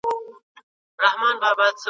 وئیل یې پرهرونه په هوا کله رغېږي ..